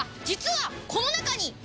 実はこの中に。